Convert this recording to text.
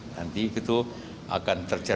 nanti itu akan tercapai